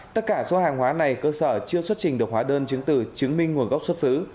tất cả số hàng hóa này cơ sở chưa xuất trình được hóa đơn chứng từ chứng minh nguồn gốc xuất xứ